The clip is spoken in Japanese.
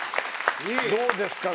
どうですか？